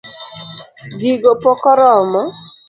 Gigo pok oromo?